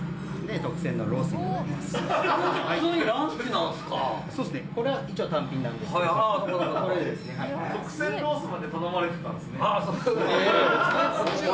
特選ロースまで頼まれてたんですね。